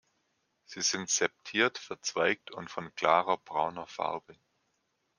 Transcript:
Sie sind septiert, verzweigt und von klarer brauner Farbe.